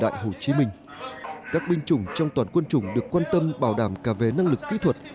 đại hồ chí minh các binh chủng trong toàn quân chủng được quan tâm bảo đảm cả về năng lực kỹ thuật